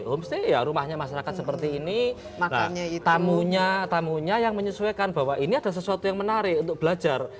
homestay ya rumahnya masyarakat seperti ini maka tamunya yang menyesuaikan bahwa ini ada sesuatu yang menarik untuk belajar